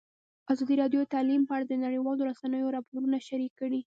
ازادي راډیو د تعلیم په اړه د نړیوالو رسنیو راپورونه شریک کړي.